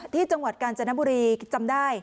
จังหวัดกาญจนบุรีจำได้